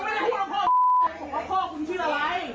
แต่ไม่ได้มาพูดอย่างนี้